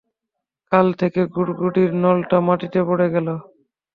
কোল থেকে গুড়গুড়ির নলটা মাটিতে পড়ে গেল।